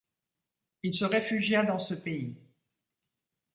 Il se réfugia dans ce pays.